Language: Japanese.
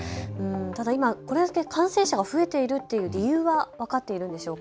ただ、今、これだけ感染者が増えているという理由は分かっているんでしょうか。